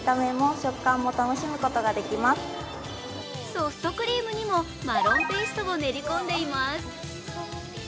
ソフトクリームにもマロンペーストを練り込んでいます。